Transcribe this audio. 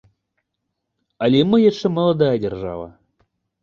Але мы яшчэ маладая дзяржава.